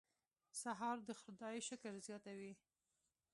سهار د خدای شکر زیاتوي.